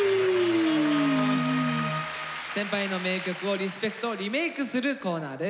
先輩の名曲をリスペクトリメークするコーナーです。